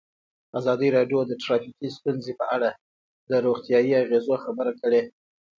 ازادي راډیو د ټرافیکي ستونزې په اړه د روغتیایي اغېزو خبره کړې.